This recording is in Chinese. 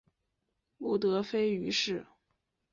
母德妃俞氏。